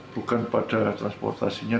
bukan pada transportasinya